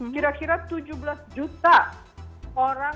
kira kira tujuh belas juta orang